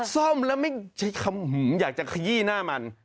ซ่อมแล้วไม่ใช้คำหึมอยากจะขยี้หน้ามัน